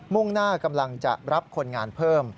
่งหน้ากำลังจะรับคนงานเพิ่ม